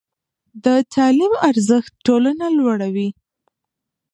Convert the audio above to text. د تعلیم ارزښت ټولنه لوړوي.